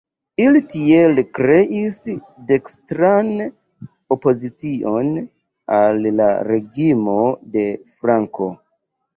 Ili tiel kreis "dekstran opozicion" al la reĝimo de Franko.